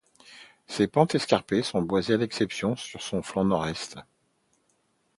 Ses pentes escarpées sont boisées à l'exception de son flanc nord-est.